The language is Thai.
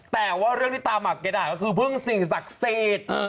แต่ว่าเรื่องที่ตามักแกด่าก็คือพึ่งสิ่งศักดิ์สิทธิ์